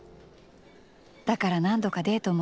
だから何度かデートも。